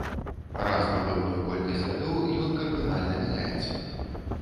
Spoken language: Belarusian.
Раз на пэўную колькасць гадоў ён кардынальна мяняецца.